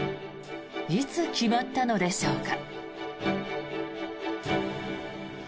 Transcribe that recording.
いつ決まったのでしょうか。